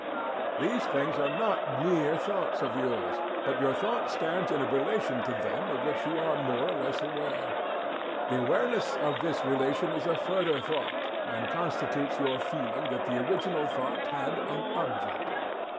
These things are not mere thoughts of yours, but your thought stands in a relation to them of which you are more or less aware. The awareness of this relation is a further thought, and constitutes your feeling that the original thought had an "object."